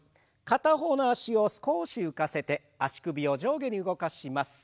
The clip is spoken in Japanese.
片方の脚を少し浮かせて足首を上下に動かします。